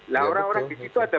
lah orang orang disitu ada